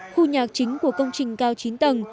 khu nhà chính của công trình cao chín tầng